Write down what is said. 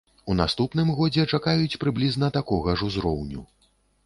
У наступным годзе чакаюць прыблізна такога ж узроўню.